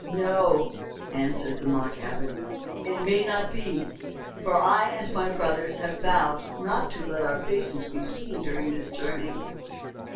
"No," answered the mock abbot. "It may not be, for I and my brothers have vowed not to let our faces be seen during this journey."